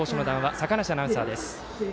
坂梨アナウンサーです。